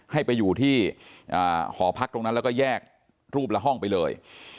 ให้ไปอยู่ที่หอพักตรงนั้นแล้วก็แยกรูปละห้องไปเลย